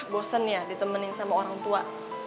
bosen ya ditemenin sama orang tua